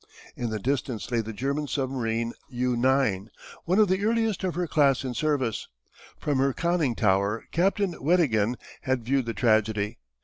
In the distance lay the German submarine U 9 one of the earliest of her class in service. From her conning tower Captain Weddigen had viewed the tragedy.